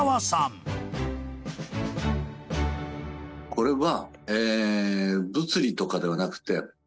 これは。